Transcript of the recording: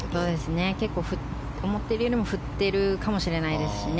結構思っているより振っているかもしれないですね。